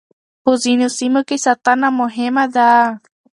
په ځينو سيمو کې ساتنه مهمه ده.